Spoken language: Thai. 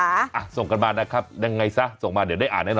อะส่งกันมานะครับแล้วหน่อยซะส่งมาเดี๋ยวได้อ่านให้หน่อย